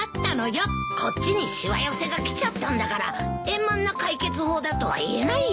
こっちにしわ寄せが来ちゃったんだから円満な解決法だとは言えないよ。